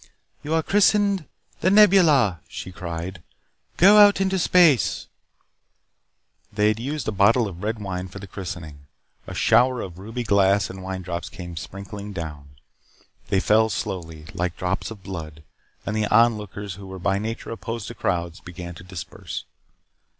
"You are christened The Nebula," she cried. "Go out into space " They had used a bottle of red wine for the christening. A shower of ruby glass and winedrops came sprinkling down. They fell slowly like drops of blood, and the onlookers, who were by nature opposed to crowds, began to disperse.